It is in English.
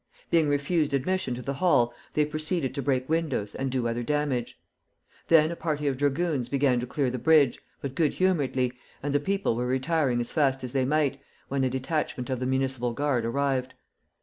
Being refused admission to the hall, they proceeded to break windows and do other damage. Then a party of dragoons began to clear the bridge, but good humoredly, and the people were retiring as fast as they might, when a detachment of the Municipal Guard arrived.